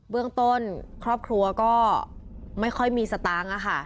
เรื่องต้นครอบครัวก็ไม่ค่อยมีสตางค์